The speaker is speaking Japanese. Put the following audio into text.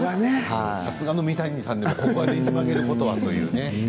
さすがの三谷さんでもここをねじ曲げることは、ということですね。